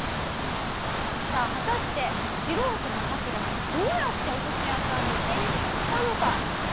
さあ果たして素人のカキダさんどうやってお寿司屋さんに転身したのか？